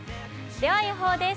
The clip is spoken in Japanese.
では予報です。